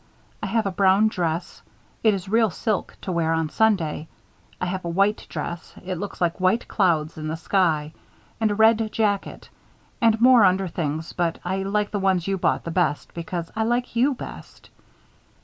I have a brown dress. It is real silk to wear on Sunday. I have a white dress. It looks like white clouds in the sky. And a red jacket. And more under things but I like the ones you bought the best, because I like you best.